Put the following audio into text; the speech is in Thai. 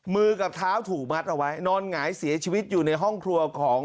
มือกับเท้าถูกมัดเอาไว้นอนหงายเสียชีวิตอยู่ในห้องครัวของ